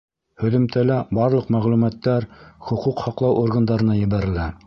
Һөҙөмтәлә барлыҡ мәғлүмәттәр хоҡуҡ һаҡлау органдарына ебәрелә.